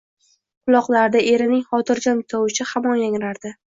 Quloqlarida erining xotirjam tovushi hamon yangrardi